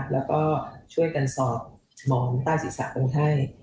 แล้วก็ช่วยกันสอบหมอนต้าศิษย์ศาสตร์กรุงไทย